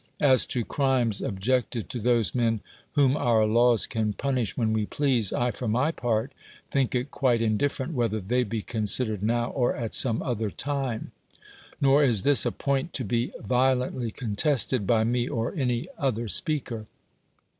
As to crimes objected to those men whom our laws caii punish when we please, I, for my part, think it quite indifferent whether they be considered now or at some other time; nor is this a point to be violently contested b}' me or any other speaker.